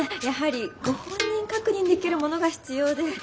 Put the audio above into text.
やはりご本人確認できるものが必要で。